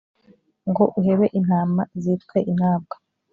ngo uhebe intama zitwe intabwa